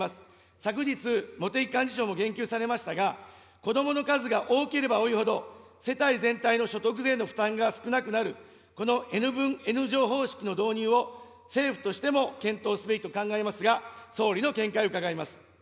昨日、茂木幹事長も言及されましたが、こどもの数が多ければ多いほど、世帯全体の所得税の負担が少なくなる、このＮ分Ｎ乗方式の導入を政府としても検討すべきと考えますが、総理の見解を伺います。